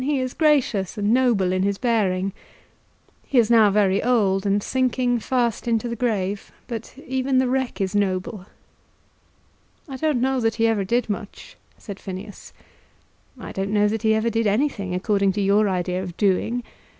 He is gracious and noble in his bearing. He is now very old, and sinking fast into the grave; but even the wreck is noble." "I don't know that he ever did much," said Phineas. "I don't know that he ever did anything according to your idea of doing.